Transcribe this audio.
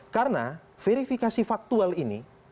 karena verifikasi faktual ini